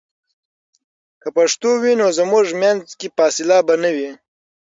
که پښتو وي، نو زموږ منځ کې فاصله به نه وي.